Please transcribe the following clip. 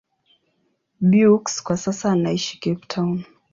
Beukes kwa sasa anaishi Cape Town.